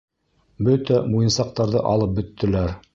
Бөтә муйынсаҡтарҙы алып бөттөләр!